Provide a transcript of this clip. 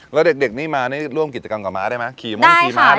แล้วเด็กนี่มานี่ร่วมกิจกรรมกับม้าได้ไหมขี่มงขี่ม้า